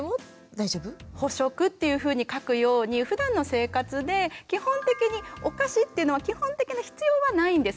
「補食」っていうふうに書くようにふだんの生活で基本的にお菓子っていうのは基本的に必要はないんです。